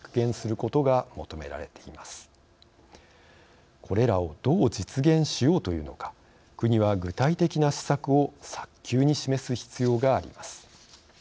これらをどう実現しようというのか国は具体的な施策を早急に示す必要があります。